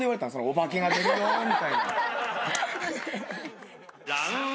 「お化けが出るよ」みたいな。